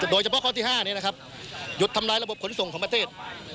โดยเฉพาะข้อที่๕นี้นะครับหยุดทำลายระบบขนส่งของประเทศ